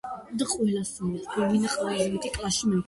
ბევრ ადგილას ძლიერ მოისპო.